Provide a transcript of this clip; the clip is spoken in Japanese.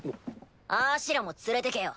あしらも連れてけよ。